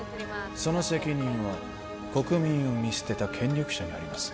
その責任は国民を見捨てた権力者にあります